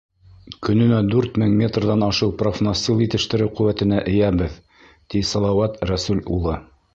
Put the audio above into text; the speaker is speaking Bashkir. Көнөнә дүрт мең метрҙан ашыу профнастил етештереү ҡеүәтенә эйәбеҙ, — ти Салауат Рәсүл улы.